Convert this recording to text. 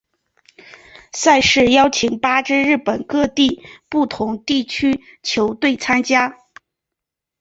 赛事邀请八支日本各地不同地区球队参赛。